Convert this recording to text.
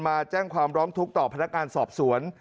มาแจ้งความร้องทุกข์ต่อพนักงานสอบสวน